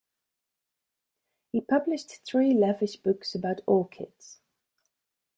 He published three lavish books about orchids.